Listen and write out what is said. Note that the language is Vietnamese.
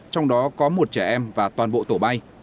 trong đó có một trẻ em và toàn bộ tổ bay